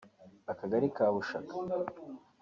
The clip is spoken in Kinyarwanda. akagari ka Bushaka